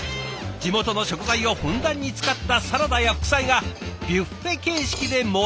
地元の食材をふんだんに使ったサラダや副菜がビュッフェ形式で盛り放題。